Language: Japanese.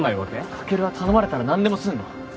カケルは頼まれたら何でもすんの？